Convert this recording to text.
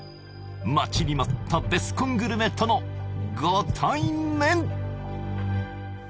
待ちに待ったベスコングルメとのご対面！